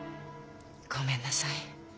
ごめんなさい。